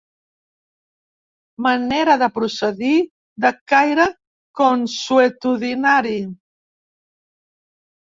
Manera de procedir de caire consuetudinari.